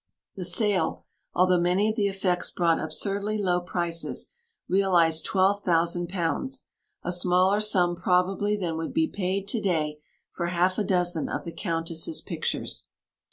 The sale, although many of the effects brought absurdly low prices, realised £12,000 a smaller sum probably than would be paid to day for half a dozen of the Countess's pictures.